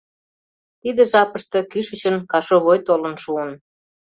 Тиде жапыште кӱшычын кашовой толын шуын.